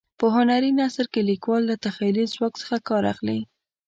په هنري نثر کې لیکوال له تخیلي ځواک څخه کار اخلي.